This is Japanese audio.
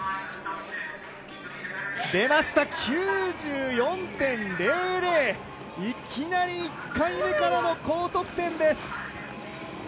出ました、９４．００いきなり１回目からの高得点です。